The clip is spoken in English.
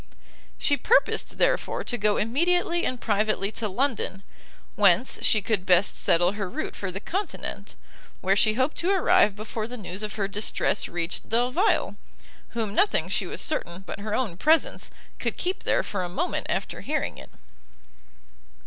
She purposed, therefore, to go immediately and privately to London, whence she could best settle her route for the continent: where she hoped to arrive before the news of her distress reached Delvile, whom nothing, she was certain, but her own presence, could keep there for a moment after hearing it.